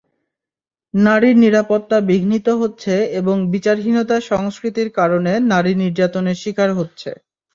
নারীর নিরাপত্তা বিঘ্নিত হচ্ছে এবং বিচারহীনতার সংস্কৃতির কারণে নারী নির্যাতনের শিকার হচ্ছে।